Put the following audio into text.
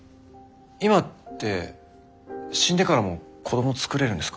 今って死んでからも子ども作れるんですか？